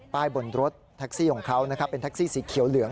บนรถแท็กซี่ของเขานะครับเป็นแท็กซี่สีเขียวเหลือง